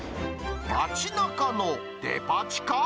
町なかのデパ地下？